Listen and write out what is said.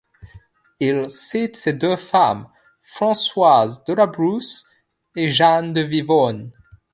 Il cite ses deux femmes, Françoise de La Brousse et Jeanne de Vivonne.